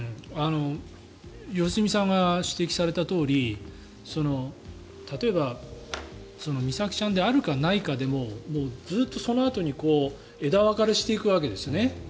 良純さんが指摘されたとおり例えば美咲ちゃんであるかないかでずっとそのあとに枝分かれしていくわけですね。